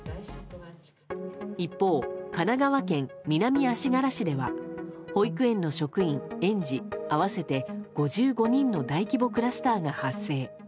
一方、神奈川県南足柄市では保育園の職員・園児合わせて５５人の大規模クラスターが発生。